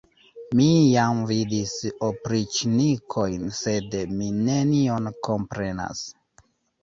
Mi jam vidis opriĉnikojn, sed mi nenion komprenas.